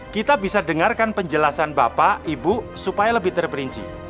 kita bisa dengarkan penjelasan bapak ibu supaya lebih terperinci